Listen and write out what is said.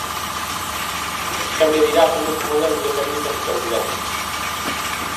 Xa me dirá como ese modelo lle permite a supervivencia.